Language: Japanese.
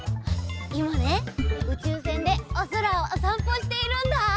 いまねうちゅうせんでおそらをおさんぽしているんだ！